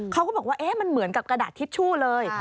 เขาก็บอกว่ามันเหมือนกับกระดาษทิชชู่เลย